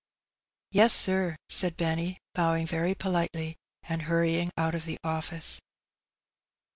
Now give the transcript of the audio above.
''" Yes, sir," said Benny, bowing very politely, and hurry ing out of the office.